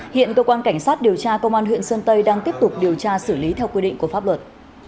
hiện cơ quan cảnh sát điều tra công an huyện sơn tây đang tiếp tục điều tra xử lý theo quy định của pháp luật